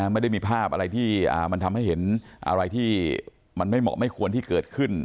ไม่ได้มีภาพอะไรที่มันทำให้เห็นอะไรที่มันไม่เหมาะไม่ควรที่เกิดขึ้น